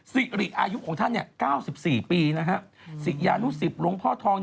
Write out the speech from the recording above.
สิริอายุของท่าน๙๔ปีศิยานุสิตหลวงพ่อทอง